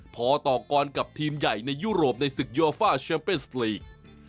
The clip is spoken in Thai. พอต่อกรกับทีมใหญ่ในยุโรปในศึกโยฟ่าแชมเปญสลีก